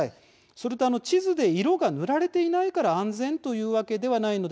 それと地図で色が塗られていないから安全ということではありません。